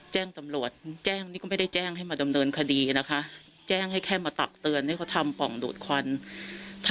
ก็คือให้ดำเนินคดีไปตามกระบวนการของกฎหมาย